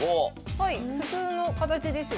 はい普通の形ですよね。